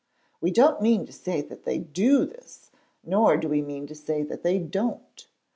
We don't mean to say that they do this, nor do we mean to say that they _don't.